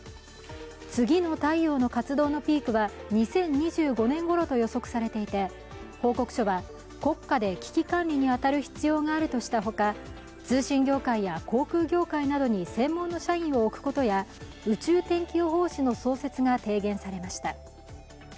次の太陽の活動のピークは２０２５年ごろと予測されていて報告書は、国家で危機管理に当たる必要があるとしたほか、通信業界や航空業界などに専門の社員を置くことや宇宙天気予報士の創設が提言されました。